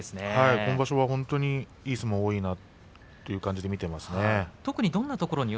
今場所はいい相撲がいいなという感じで見ています。